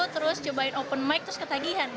terus cobain open mike terus ketagihan